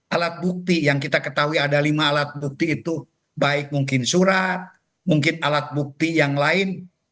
alat bukti yang kita ketahui ada lima alat bukti itu baik mungkin surat mungkin alat bukti yang lain